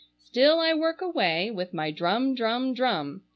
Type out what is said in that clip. Still I work away with my drum, drum, drum.